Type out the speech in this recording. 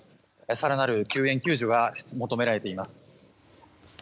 更なる救援救助が求められています。